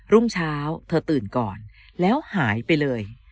รุ่งเช้าเธอตื่นก่อนแล้วหายไปเลย